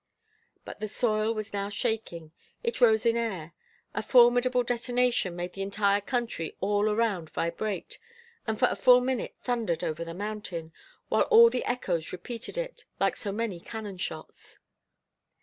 But the soil was now shaking; it rose in air. A formidable detonation made the entire country all around vibrate, and for a full minute thundered over the mountain, while all the echoes repeated it, like so many cannon shots.